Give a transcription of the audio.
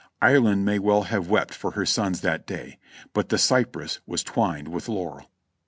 Ireland may well have wept for her sons that day, but the Cypress was twined with Laurel.